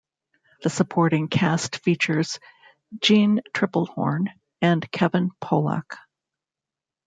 The supporting cast features Jeanne Tripplehorn and Kevin Pollak.